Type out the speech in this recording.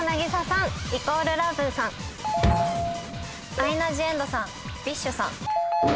アイナ・ジ・エンドさんＢｉＳＨさん。